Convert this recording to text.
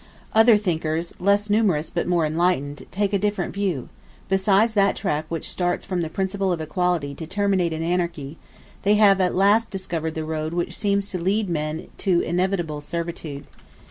Other thinkers, less numerous but more enlightened, take a different view: besides that track which starts from the principle of equality to terminate in anarchy, they have at last discovered the road which seems to lead men to inevitable servitude.